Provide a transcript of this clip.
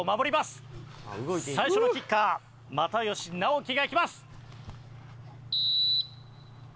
最初のキッカー又吉直樹がいきます！